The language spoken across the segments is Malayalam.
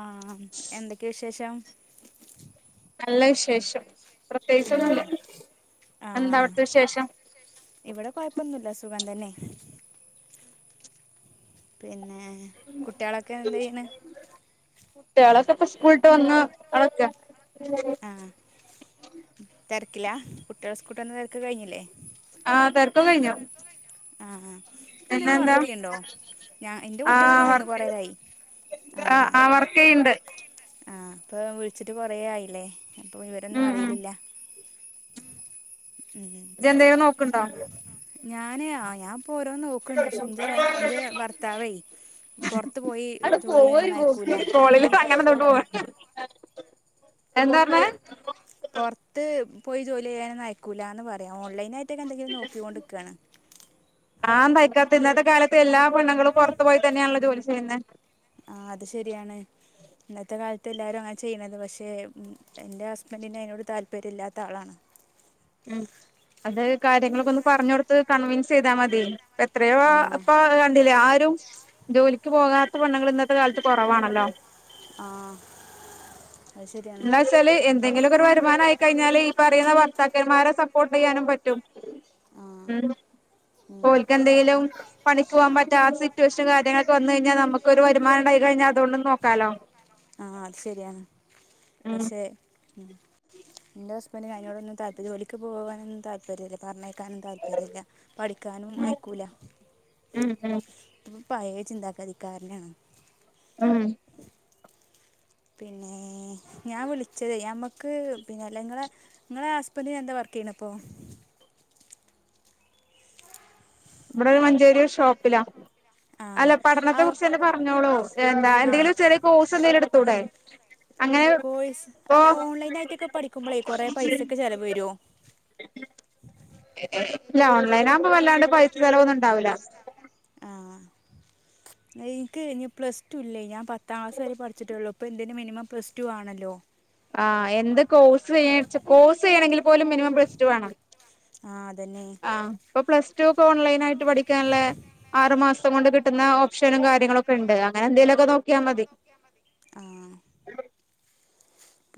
ആ എന്തൊക്കെ വിശേഷം നല്ല വിശേഷം പ്രത്യേകിച്ചൊന്നുമില്ല ആഹ ഇവിടെ കൊഴപ്പൊന്നുമല്ല സുഖം തന്നെ പിന്നെ കുട്ട്യാളക്കെ എന്ത് ചെയ്യണ് കുട്ട്യാളക്കപ്പ സ്കൂൾട്ട് വന്ന് [unintelligible] ആഹ് തെരക്കില്ല കുട്ടി [unintelligible] തെരക്ക് കഴിഞ്ഞില്ലേ ആഹ് തെരക്കോ കഴിഞ്ഞു പിന്നെന്താ ആഹ് വർക്ക് ആഹ് ആഹ് വർക്കെയ്ണ്ട് ആഹ് ഇപ്പോ വിളിച്ചിട്ട് കൊറെ ആയില്ലേ അപ്പോ വിവരൊന്നും അറിയലില്ല ഉം [inaudible] ഞാന് ആഹ് ഞാൻപ്പോ ഓരോന്ന് നോക്കണ്ട് പക്ഷെ ഇന്റെ ഇന്റെ ഭർത്താവേ അടെ പോവ ഒര് പോക്ക് ഫോണില് [unintelligible] വെന്തോട്ട് പോവാ എന്താറ്ന്നെ പൊറ്ത്ത് പോയി ജോലി ചെയ്യാനൊന്നു അയക്കൂലാന്ന് പറയാ ഓൺ ഓൺലൈനായിട്ടൊക്കെ എന്തെങ്കിലും നോക്ക്യോണ്ട് ഇക്കണ് ഇന്നത്തെ കാലത്ത് എല്ലാ പെണ്ണ്ങ്ങളും പൊറത്തു പോയി തന്നെയാണല്ലോ ജോലി ചെയ്യുന്നെ ഇന്നത്തെ കാലത്ത് എല്ലാരും അങ്ങനെ ചെയ്യുന്നത്. പക്ഷേ എന്റെ ഹസ്ബൻഡിന് അതിനോട് താല്പര്യം ഇല്ലാത്ത ആളാണ് ഉം അത് കാര്യങ്ങളൊക്കെ ഒന്ന് പറഞ്ഞ് കൊടുത്ത് കൺവിൻസ് ചെയ്താ മതി എത്രയോ ഇപ്പ കണ്ടില്ലേ ആരും ജോലിക്ക് പോകാത്ത പെണ്ണ്ങ്ങൾ ഇന്നത്തെ കാലത്ത് കൊറവാണല്ലോ ആഹ് ഇന്നസാല്എന്ത് എന്തെങ്കിലൊക്ക ഒരു വരുമാനം ആയി കഴിഞ്ഞാല് ഈ പറയുന്ന വർത്താക്കന്മാരെ സപ്പോർട്ട് ചെയ്യാനും പറ്റും ഉം ഓല്ക്ക് എന്തെങ്കിലും പണിക്ക് പോവാൻ പറ്റാത്ത ടൂസ്റ്റ കാര്യങ്ങളൊക്കെ വന്ന് കഴിഞ്ഞാ നമക്ക് ഒരു വരുമാനം ഇണ്ടായി കഴിഞ്ഞാ അത് കൊണ്ടും നോക്കാലോ ആഹ് അത് ശെരിയാണ് പക്ഷെ ഉം ഇന്റെ ഹസ്ബന് അതിനോടൊന്ന തല്പര്ം ജോലിക്ക് പോകാനൊും താല്പര്യംല്ലേ പറഞ്ഞ ക്കാനും താല്പര്യല്ല പഠിക്കാനും അയക്കൂല ഇപ്പ പയേ ചിന്താഗതിക്കാരനാണ് ഉം പിന്നെ ഞാൻ വിളിച്ചതെ നമ്മക്ക് പിന്നെ അല്ല ഇങ്ങളെ ഇങ്ങളെ ഹസ്ബൻഡന് എന്താ വർക്ക് ക്കിണപ്പോ ഇവടെ മഞ്ചേരി ഒരു ഷോപ്പിലാ അല്ല പഠനത്തെ കുറ്ച്ച് ന്തെ പറഞ്ഞോളു എന്ത എന്തെങ്കിലും ചെറിയ കോഴ്സ് എന്തേലും എടുത്തൂടെ കോഴ്സ് അല്ല ഓൺലൈൻ ആയിട്ടൊക്കെ പഠിക്കുമ്പളേ കൊറേ പൈസക്ക് ചെലവ് വെരും ഇല്ല ഓൺലൈൻ ആകുമ്പോ വല്ലാണ്ട് പൈസ ചലവോന്നും ഇണ്ടാവില്ല ആഹ് ഇൻക്ക് ഞ് പ്ല സ് ടു ഇല്ലേ ഞ്ഞി ഞാ പത് താകാസ് വരെ പട്‌ച്ചിട്ടേുള്ളൂ അപ്പൾ എന്തിന് മിനിമം പ്ലസ് ടു ആണല്ലോ ആഹ് എന്ത് കോഴ്സ് കോഴ്സ് ചെയ്യണെങ്കിൽ പോലും മിനിമം പ്ലസ് ടു വേണം ആഹ് ഇപ്പൊ പ്ലസ് ടു ഒക്കെ ഓൺലൈൻ ആയിട്ട് പഠിക്കാനുള്ള ആറ് മാസ് ത്തം കൊണ്ട് കിട്ടുന്ന ഓപ്ഷനും കാ ആഹ്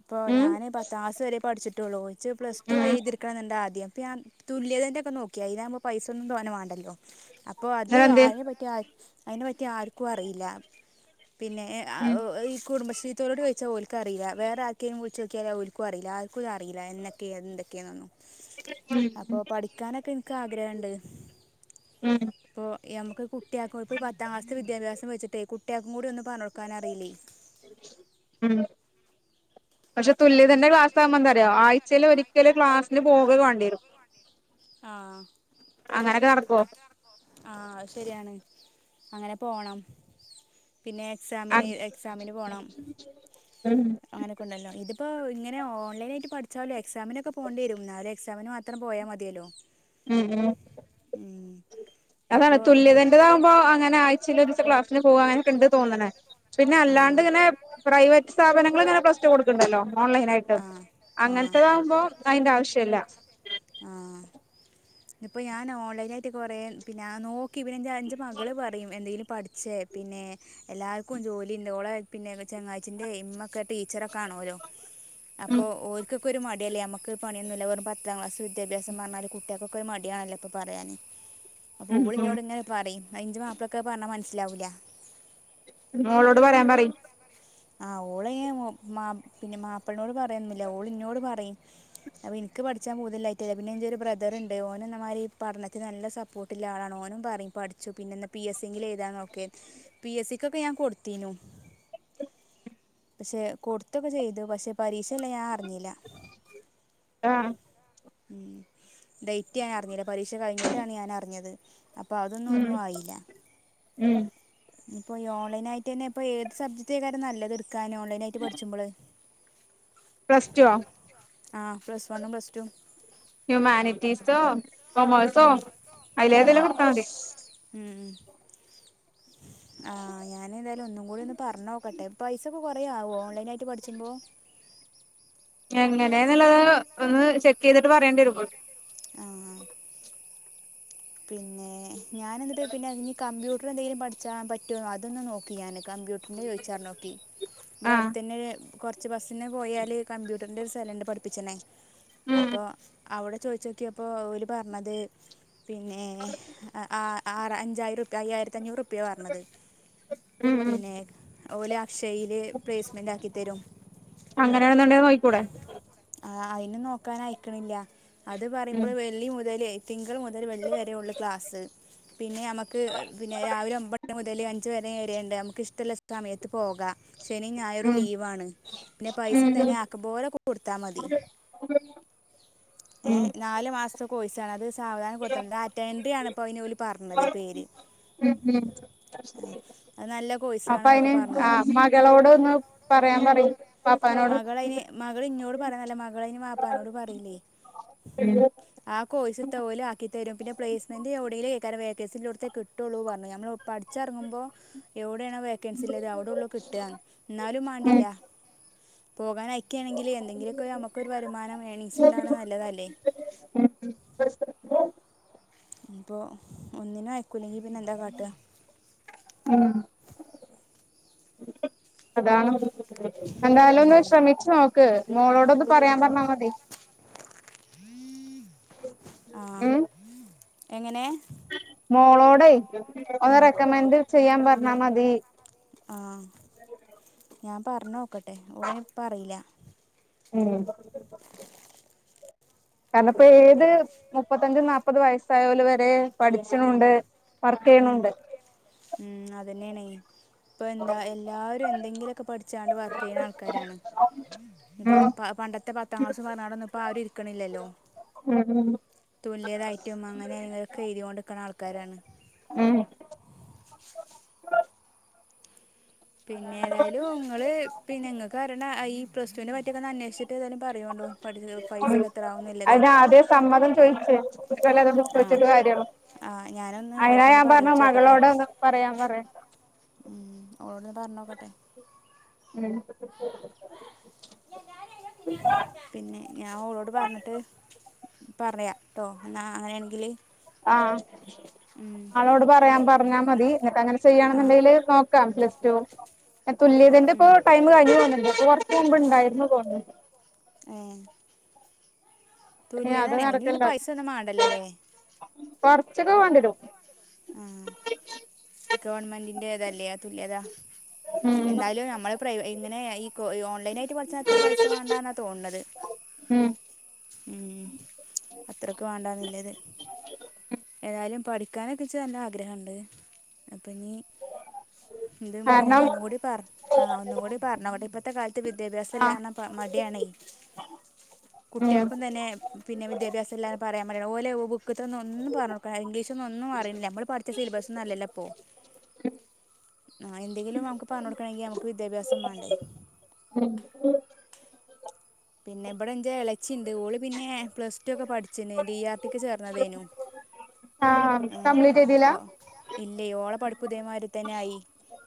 ഇപ്പോ ഞാൻ പത്താംക്ലസ് വരെ പഠിച്ചിട്ടുള്ളൂ ഇച്ച് പ്ലസ് ടുൂ എയ്തിട്‌ക്കണം ന്ന്ന്റെ ആദ്യം പ്പ യാം തുല്യതൻ്റെ ഒക്കെ നോക്കിയാ അയ്നാഉമ്പോ പൈസ ഒന്നും ങ്ങന വേണ്ടല്ലോ അപ് പ്പോ അത് അയ്നെ പറ്റി അഹ് അയ്നെ പറ്റി ആർക്കും അറിയില്ല പിന്നെ എഹ് ഔ ഈ കുടുംബശ്രീത്തോലോട് ഓയ്ച്ചാ ഓലക്കറിയില്ല വേറെ ആർക്കെയും വിൾചൊക്കിയാലൽ അഹ് ഓൽക്കു അറില്ല ആർക്കും അറിയില്ല എന്നക്കെ എന്തൊക്കെന്നൊന്നു അപ്പൊ പഠിക്കാനൊക്കെ ഇൻക്ക് ആഗ്രഹണ്ട് ഇപ്പൊ യമു ക്ക് കുട്ട്യാക്കും ഇപ പത്താംക്ലാസ് വിദ്യാഭ്യാസ വെച്ട്ടെ കുട്ടിയാക്കും കൂടി ഒന്ന് പർഞൊട്‌കാനെറിയില്ലേ പക്ഷെ തുല്യതന്റെ ക്ലാസ് ആകുമ്പോന്ത അറിയോ ആഴ്ചൽ ഒരിക്കലും ക്ലാസ്സിന് പോക വേണ്ടി വരും അങ്ങനൊക്കെ നടക്കോ ആഹ് ശരിയാണ് അങ്ങനെ പോണം പിന്നെ എക്‌സാമിന് എക്സാമിന് പോണം അങ്ങനക്കെ ഉണ്ടല്ലോ ഇത്പ്പോ ഇ ങ്ങനെ ഓൺലൈനായിട്ട് പഠിച്ചാലെ എക്സാമിനൊക്കെ പോണ്ടിരും ന്ന അവരു എക്സാമിന് മാത്രം പോയാ മതിയല്ലോ ഉം അതാണ് തുല്യതൻന്റെറതാഉമ്പൊ അങ്ങനെ ആയ്ച്ചല് ഒരൂസം ക്ലാസിന് പോവാനെക്കെണ്ട് തോന്നണേ പിന്നെ അല്ലാണ്ട് ഇങ്ങനെ പ്രൈവറ്റ് സ്ഥാപനങ്ങള്ങ്ങനെ പ്ലസ് ടു കൊടുക്ണ്ടല്ലോ ഓൺലൈൻ ആയിട്ട് അങ്ങനത്തതാഉമ്പോം അയ്ന്റെ ആവശ്യല്ല ആഹ് ഇപ്പോ ഞാൻ ഓൺലൈൻ ആയിട്ട് കൊറേ പിന്നെ നോ ക്ക് എഞ്ചേ മകള് പറയും എന്തെങ്കിലും പഠിച്ചേ പിന്നെ എല്ലാവർക്കും ജോലി ഉണ്ട് ഓളെ പിന്നെ ചെങ്ങായ്ച്ചിന്റെ ഇമ്മക്കെ ടീച്ചറൊക്കെ ആണോലോ. അപ്പോ ഓര്ക്കൊക്കെ ഒരു മടിയല്ലേ ഞമ്മക്ക് പണിയൊന്നുല്ല വെറും പത്താം ക്ലാസ് വിദ്യാഭ്യാസം പറഞ്ഞാല് കുട്ടിയാക്കൊക്കെ ഒരു മടിയാണല്ലോ ഇപ്പോ പറയാന്. അപ്പോ ഓളിന്നോട് ങ്ങനെ പറിം അതിന്റെ മാപ്ലക്ക് അത് പറഞ്ഞാ മനസ്സിലാവൂല്ല. മോളോട് പറയാൻ പറി ആ ഓളയ്ന് ഞ മാ പിന്നെ മാപ്ലനോട് പറ ന്നൂല്യ. ഓള് ന്നോട് പറിം. അപ്പോ ഇൻക്ക് പഠിച്ചാൻ പൂ ല്ലായ്റ്റല്ല. പിന്നെ എന്റെ ഒരു ബ്രദറുണ്ട് ഓനെന്നമാതിരി പഠനത്തിന് നല്ല സപ്പോർട്ട്ള്ള ആളാണ് ഓനും പറിം പഠിച്ചോ പിന്നെ എന്നാ പി എസ് സി എങ്കിലും എഴുതാൻ നോക്ക് പി എസ് സി ക്കൊക്കെ ഞാൻ കൊടുത്തീനു പക്ഷേ കൊടുത്തൊക്കെ ചെയ്തു പക്ഷേ പരീക്ഷ് ള്ള ഞാൻ അറിഞ്ഞീല. ഉം ഡെയ്റ്റ് ഞാൻ അറിഞ്ഞില്ല പരീക്ഷ കഴിഞ്ഞിട്ടാണ് ഞാൻ അറിഞ്ഞത്. അപ്പോ അതൊന്നും ഒന്നും ആയീല. ഇനിപ്പോ ഈ ഓൺലൈനായിറ്റന്നെ ഇപ്പോ ഏത് സബ്ജക്റ്റേക്കാരം നല്ലത് ഇട്ക്കാന് ഓൺലൈനായിട്ട് പട്ച്ചുമ്പള് പ്ലസ് ടുവോ ആ പ്ലസ് വണ്ണും പ്ലസ് ടും ഹ്യുമാനിറ്റീസോ കൊമേഴ്സോ അതിലേതേലും ഒക്കെ എടുത്താ മതി ആഹ് ഞാനേതായാലും ഒന്നും കൂടി ഒന്ന് പറഞ്ഞോക്കട്ടെ പൈസക്കൊ കൊറേയാവോ ഓൺലൈനായിട്ട് പഠിച് ച്ചുമ്പോ എങ്ങനെന്നുള്ളത് ഒന്ന് ചെക്ക് ചെയ്തിട്ട് പറയേണ്ടി വരും ആഹ് പിന്നെ ഞാനെന്നിട്ട് പിന്നെ ഇനി കമ്പ്യൂട്ടർ എന്തേലും പഠിച്ചാൻ പറ്റോ അതൊന്ന് നോക്കി ഞാന് കമ്പ്യൂട്ടറിന്റെ ചോയ്ച്ചറിഞ്ഞോക്കി. ഇവടെ അടുത്തന്നെ ഒരു കൊറച്ച് ബസിന് പോയാല് കമ്പ്യൂ ട്ടറിന്റെ ഒരു സ്ഥലണ്ട് പഠിപ്പിച്ചണയ് അപ്പോ അവിടെ ചോദിച്ചോക്കിയപ്പോൾ അവര് പറഞ്ഞത്- പിന്നെ ആ അഞ്ചായിരം അയ്യായിരത്തിഞ്ഞൂറ് ഉുപ്പ്യാണ് പറഞ്ഞത് പിന്നെ ഓല് അക്ഷയ്യില് പ്ലേസ്മെന്റ് ആക്കിത്തരും കൂടെ അതിനെ നോക്കാൻ അയക്കണില്ല അത് പറയുമ്പോൾ വെള്ളി മുതലെ തിങ്കൾ മുതല് വെള്ളിവരെയുള്ളൂ ക്ലാസ് പിന്നെ നമുക്ക് പിന്നെ രാവിലെ ഒമ്പത് എട്ട് മുതല് അഞ്ച് വരെ വരണ്ട് നമുക്ക് ഇഷ്ടമുള്ള സമയത്ത് പോകാം ശനി ഞായറും ലീവാണ് പിന്നെ പൈസയും തന്നെ- [unintelligible] കൊടുത്താ മതി ഏ നാലുമാസതെ കോഴ്സ് ആണ് അത് സാവധാനം കൊടുത്തമതി ഡാറ്റാ എൻട്രി ആണ് ഇപ്പോ അതിന് ഓല് പറഞ്ഞത് പേര് ഉം അപ്പൊ അതിന് ആ മകളോട ഒന്ന് പറ- ഞാൻ പറയും മകള് അയിന് മകൾ ഇഞ്ഞോ - പറ [unintelligible] മകള വാപ്പാനോട് പറയില്ലേ ആ കോഴ- തു പോലെയാക്കി തരും പിന്നെ പ്ലേസ്‌മെന്റ് എവിടെലും വെക്കേൻസി ഉള്ളടുത്തെ കിട്ടുവുള്ളു പറഞ്ഞു നമ്മ- പഠിച്ചിറങ്ങുമ്പോൾ എവിടെയാണോ വേക്കൻസിയുള്ളത് അവിടെയുള്ളൂ കിട്ടുക എന്നാലും വേണ്ടില്ല പോകാന് അയക്കുകാണെങ്കിൽ എന്തെങ്കിലൊക്കെ നമുക്കൊരു വരുമാനം ഏണിങ്സി ഉണ്ടാണ് നല്ലതല്ലേ ബ [unintelligible] ഇപ്പൊ ഒന്നിനോ ആയിക്കൂല്ലെങ്കി പിന്നെ എന്താ കാട്ടുക അതാണ് എന്തായാലും ഒന്ന് ശ്രമിച്ചു നോക്ക- മോളോട് ഒന്ന് പറയാൻ പറഞ്ഞാൽ മതി ആഹ് എങ്ങനെ മോളോടെ ഒന്ന് റെക്കമെന്ഡ് ചെയ്യാൻ പറഞ്ഞാൽ മതി ആഹ ഞാൻ പറഞ്ഞു നോക്കട്ടെ ഓല് ഇപ്പ അറിയില്ല ഉം കാരണം ഇപ്പോ ഏത് മുപ്പത്തഞ്ച് നാപ്പത് വയസായൊല് വരെ പഠിച്ചണുണ്ട് ഉം ഉം അതന്നെയണെ ഇപ്പം എന്താ എല്ലാരും എന്തെങ്കിലോക്കെ പഠിച്ചാണ്ട് വർക്ക് ചെയ്യണ ആൾക്കാരാണ് ഇപ്പോ പ പണ്ടത്തെ പത്താം ക്ലാസ്സും പറഞ്ഞാടൊന്നും ഇപ്പോ ആരും ഇരിക്കണില്ലല്ലോ തുല്യതായിട്ടും അങ്ങനെ [unintelligible] എഴുതികൊണ്ടിക്കുന്ന ആൾക്കാരാണ് ഉം പിന്നെ ഏതായാലും ഇങ്ങള് പിന്നെ ഇങ്ങക്ക് അറിയണ ഈഹ് പ്ലസ് ടു വിനെ പറ്റിക്കെന്ന് അന്വേഷിച്ചി ട്ട് ഏതാലും പറയൊണ്ടോ പഠിച്ച പൈസൊക്കെ എത്രാവുന്നില്ലത് [inaudible] [unintelligible] അയിനാ ഞാൻ പറഞ്ഞത് മകളോട് ഒന്ന് പറയാൻ പറ ഉം ഓളോടൊന്ന് പറഞ്ഞോക്കട്ടെ ഉം പിന്നെ ഞാൻ ഓളോട് പറഞ്ഞിട്ട് പറയാം ട്ടോ എന്നാ അങ്ങനെയാണെങ്കില് ആഹ് അവളോട് പറയാൻ പറഞ്ഞാ മതി നിനക്ക് അങ്ങനെ ചെയ്യണന്ന്ണ്ടെങ്കിൽ നോക്കാം പ്ലസ് റ്റും തുല്യതേന്റെ ഇപ്പോ ടൈം കഴിഞ്ഞു തോന്നോണ്ട് [unintelligible] ഇണ്ടാരുന്നു തോന്നു ഏഹ് പിന്നെ അത് നടക്കല്ല കൊറച്ചൊക്കെ പോണ്ടിരും ആഹ് ഗവണ്മെന്റിന്റെതല്ലേ തുല്യതാ എന്താലും നമ്മള് പ്രൈ ഇങ്ങനെ ഈ ഓൺലൈൻ ആയിട്ട് പഠിച്ചാ അത്ര പൈസ വേണ്ടന്നാ തോന്ന്ണത് ഉം ഉം അത്രക്ക് വേണ്ടന്നില്ലത് ഏതായാലും പഠിക്കാനൊക്കെ ച്ചേ നല്ല ആഗ്രഹ്ണ്ട് ഇനി ഇത് ഞാൻ ഒന്ന കൂടി പറഞ്ഞു ആ ഒന്നും കൂടി പറഞ്ഞ അവിടെ ഇപ്പത്തെ കാലത്ത് ഇത് വിദ്യാഭ്യാസംല്ലാ മടിയാണെ- കുട്ടികൾക്കും തന്നെ പിന്നെ വിദ്യാഭ്യാസംല്ലാന്ന് പറയാൻ പറ്റ ഓലെ ഒന്ന് പറഞ്ഞുോക്കാം ഇംഗ്ലീഷൊന്ന് ഒന്നും- സിലബസ് നല്ലല്ലോ അപ്പോൊ ആ എന്തെങ്കിലും നമുക്ക് പറഞ്ഞ കൊടുക്കണമെങ്കിൽ നമുക്ക് വിദ്യാഭ്യാസം വേണ്ടേ [unintelligible] പിന്നെ ഇവിടെ എൻ്റെ ഇളച്ചിണ്ട് ഓള് പിന്നെ പ്ലസ് ടു ഒക്കെ പഠിച്ചി ഡി ആർടിക്ക് ചേർന്നതേനു ഇല്ല ഓള പഠിപ്പ് പുതിയമാർ തന്നെയയി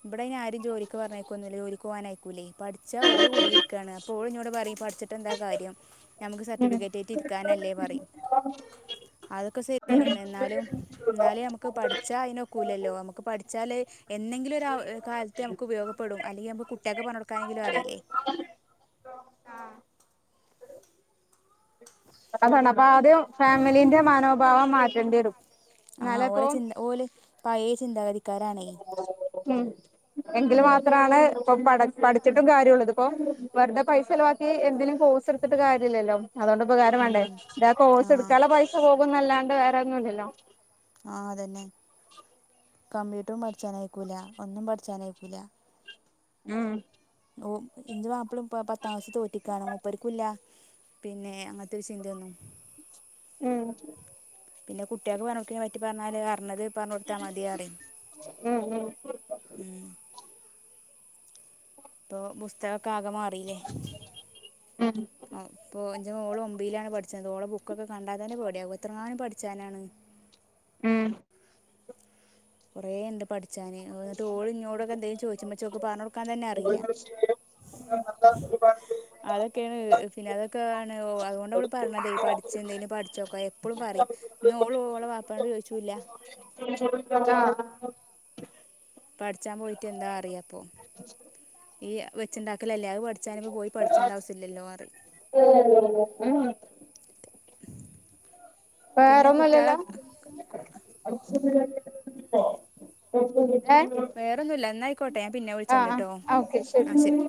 ഇവിടെ ആരും ജോലിക്ക് പറഞ്ഞേക്കോന്നില്ല ജോലിക്ക് പോകാനായിക്കൂല്ലേ പഠിച്ചാ ഓള് കൂടിയിരിക്കയ അപ്പോ ഓൾ എന്നോട് പറയും പഠിച്ചട്ട് എന്താ കാര്യം നമുക്ക് സർട്ടിഫിക്കറ്റ്റ്റ ഇരിക്കാനല്ലേ പറയും- അതൊക്കെ ശരി തന്നെയാണ് എന്നാലും എന്നാല നമ്മുക്ക് പഠിച്ചാ അതിനൊക്കൂലല്ലോ നമ്മുക്ക് പഠിച്ച ചല്ലേ- എന്തെങ്കിലും ഒരു കാലത്ത് നമുക്ക് ഉപയോഗപ്പെടും അല്ലെങ്കിൽ നമുക്ക് കുട്ടികിയൊക്കെ പണുടുക്കാനെങ്കിലും അറിയില്ലേ അതാണ് അപ്പൊ ആദ്യം ഫാമിലിന്റെ മനോഭാവം മാറ്റേണ്ടി വരും ആഹ് ഓല ചിന്ത ഓല പഴേ ചിന്ത കതി- ഉ എങ്കില് മാത്രമാണ് ഇപ്പ പ പഠ- ചിട്ടും കാര്യം ഉള്ളത് ഇപ്പൊ വെറുതെ പൈസ ചിലവാക്കി എന്തേലിലും കോഴ്സ് എടുത്തിട്ട് കാര്യല്ലല്ലോ അതുകൊണ്ട് ഉപകാരം വാണ്ടേ ഇത് ആ കോഴ്സ് എടുക്കാനുള്ള പൈസ പോകുന്നല്ലാണ്ട് വേറെന്നും ഇല്ലല്ലോ കമ്പ്യൂട്ടറും പഠിച്ചാനയക്കൂല ഒന്നും പഠിച്ചാനയക്കൂല ഉം ഓ ഇന്റെ മാപ്പളീം ഇ പത്താംക്ലാസ്സ്‌ വ തോറ്റിക്കാണ് മുപ്പർക്കുംഇല്ല പിന്നെ അങ്ങനത്തെ ഒരു ചിന്തേന്നു ഉം പിന്നെ കുട്ടികൾക്ക് പറഞ്ഞ് കൊട്ക്ക്ണ പറ്റി പറഞ്ഞാല് അറഞ്ഞത് പറ ഞ്ഞ്കൊടുത്താ മതിറിം ഉം ഇപ്പൊ പുസ്തകൊക്കെ ആകെ മാറില്ലേ ആ ഇപ്പൊ ന്റെ ഓള് ഒമ്പിയിലാണ് പഠിച്ചത്ഓളെ ബുക്കൊക്കെ കണ്ടാ തന്നെ പേടിയാവും എത്രങ്ങാനും പഠിച്ചാനാണ് ഉം കുറേണ്ട് പഠി ച്ചാനേ എന്നിട്ട് ഓള് ഇന്നോട് എന്തങ്കിലും ചോദിചുമ്പോ പറഞ്ഞു കൊടുക്കാൻ തന്നെ അറിയില്ല അതൊക്കെയാണ് പിന്നെ അതൊക്കെ ഓ അതുകൊണ്ട് ഓള് പറഞ്ഞത് പഠിച്ച എന്തേലും പഠിച്ചോക്ക എപ്പളും പറയും ഇന്ന ഓള് ഓളെ വാപ്പനോട് ചോദിച്ചു ല്ല [inaudible] പഠിച്ചാൻ പോയിട്ട് എന്താ അറിയാപ്പൊ ഈ വെച്ച്ണ്ടാക്ക ല്ലേ അത് പഠിച്ചാനിപ്പോ പോയി പഠിച്ചണ്ട ആവശ്യ ല്ലല്ലോ റിം അ വേറെന്നുംല്ലല്ലോ വേറെന്നുംല്ല എന്നായിക്കോട്ടെ ഞാൻ പിന്നെ വിളിച്ചണ്ട്ട്ടോ ആ ശരി